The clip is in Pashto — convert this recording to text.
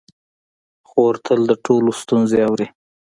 خور تل د ټولو ستونزې اوري.